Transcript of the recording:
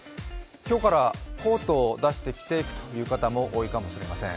今日からコートを出して着ていくという方も多いかもしれません。